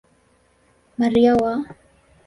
Maria wa Mt.